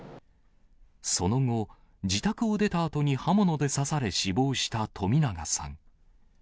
その後、自宅を出たあとに刃物で刺され死亡した冨永さん。